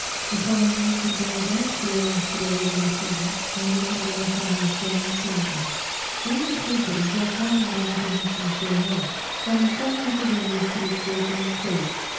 The following note from Bernadotte, who reigns to day over Sweden, ended Madame Récamier's journey to England: .......... "The English papers, while calming my apprehensions for your health, have informed me of the dangers to which you have been exposed.